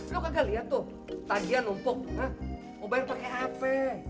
lo kagak lihat tuh tagian umpuk ngobain pakai apa